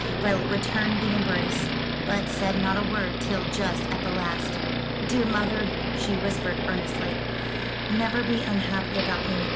Violet returned the embrace, but said not a word till just at the last. "Dear mother," she whispered earnestly, "never be unhappy about me.